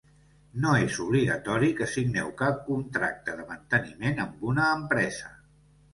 No és obligatori que signeu cap contracte de manteniment amb una empresa.